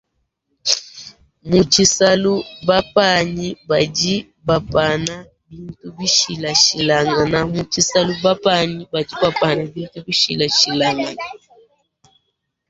Mutshisalu bapanyi badi bapana bintu bishilashilangane.